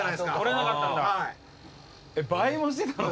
倍もしてたの？